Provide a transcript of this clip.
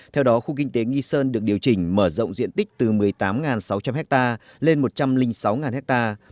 theo đó khu kinh tế nghi sơn được điều chỉnh mở rộng diện tích từ một mươi tám sáu trăm linh hectare lên một trăm linh sáu ha